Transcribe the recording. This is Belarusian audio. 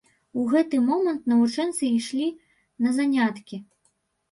У гэты момант навучэнцы ішлі на заняткі.